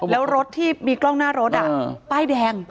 แล้วรถที่มีกล้องหน้ารถป้ายแดง